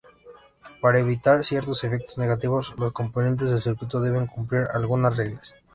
Para evitar ciertos efectos negativos, los componentes del circuitos deben cumplir algunas reglas.